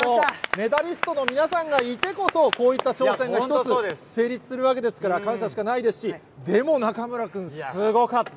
メダリストの皆さんがいてこそ、こういった挑戦が一つ、成立するわけですから、感謝しかないですし、でも、中村君、すごかった。